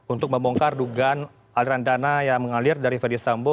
untuk membongkar dugaan aliran dana yang mengalir dari fede sambo